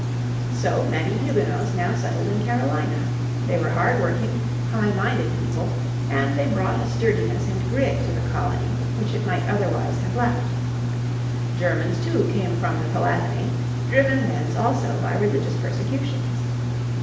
So many Huguenots now settled in Carolina. They were hard working, high minded people and they brought a sturdiness and grit to the colony which it might otherwise have lacked. Germans too came from the Palatinate, driven thence also by religious persecutions.